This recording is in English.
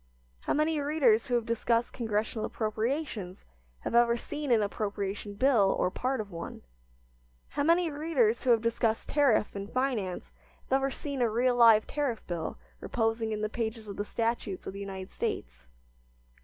How many readers who have discussed Congressional appropriations have ever seen an appropriation bill or part of one? How many readers who have discussed tariff and finance have ever seen a real live tariff bill reposing in the pages of the statutes of the United States?